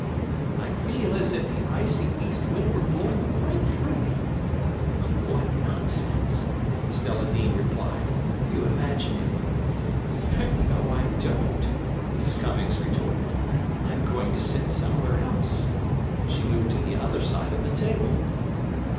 I feel as if the icy east wind were blowing right through me." "What nonsense!" Stella Dean replied; "you imagine it." "No, I don't," Miss Cummings retorted; "I'm going to sit somewhere else," and she moved to the other side of the table.